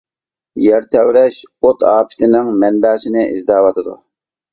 يەر تەۋرەش، ئوت ئاپىتىنىڭ مەنبەسىنى ئىزدەۋاتىدۇ.